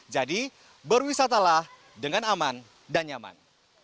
jadi berwisatalah dengan aman dan nyaman